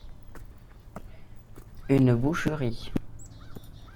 une boucherie.